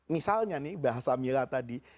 misalnya nih bahasa mila tadi